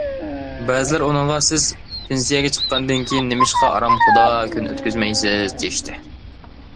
بەزىلەر ئۇنىڭغا‹‹ سىز پېنسىيەگە چىققاندىن كېيىن نېمىشقا ئارامخۇدا كۈن ئۆتكۈزمەيسىز›› دېيىشتى.